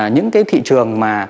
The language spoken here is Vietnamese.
những cái thị trường mà